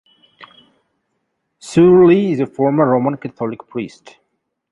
Soorley is a former Roman Catholic Priest.